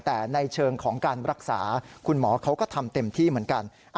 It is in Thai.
แต่ในเชิงของการรักษาคุณหมอเขาก็ทำเต็มที่เหมือนกัน